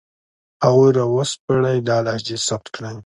هغوی را وسپړئ، دا لهجې ثبت کړئ